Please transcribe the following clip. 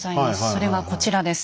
それがこちらです。